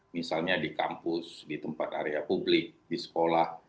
misalnya di kampus di tempat area publik di sekolah